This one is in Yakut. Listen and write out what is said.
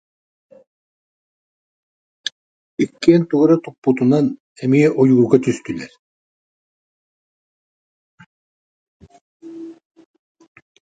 Иккиэн тугу эрэ туппутунан эмиэ ойуурга түстүлэр